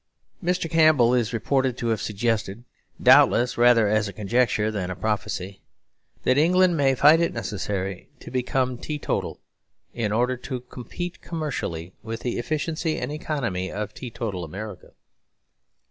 Mr. Campbell is reported to have suggested, doubtless rather as a conjecture than a prophecy, that England may find it necessary to become teetotal in order to compete commercially with the efficiency and economy of teetotal America.